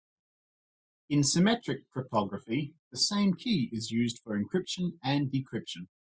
In symmetric cryptography the same key is used for encryption and decryption.